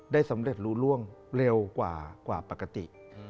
สำเร็จรู้ร่วงเร็วกว่าปกติ